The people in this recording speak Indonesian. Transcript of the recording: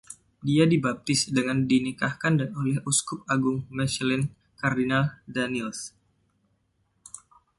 Dia dibaptis dan dinikahkan oleh Uskup Agung Mechelen, Kardinal Danneels.